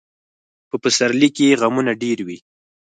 په پسرلي کې غمونه ډېر وي.